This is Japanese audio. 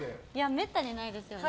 めったにないですよね。